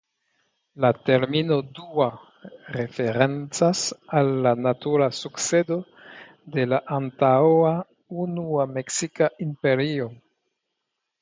La termino «dua» referencas al la natura sukcedo de la antaŭa Unua Meksika Imperio.